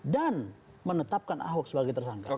dan menetapkan ahok sebagai tersangka